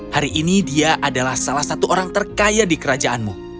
hari ini dia adalah salah satu orang terkaya di kerajaanmu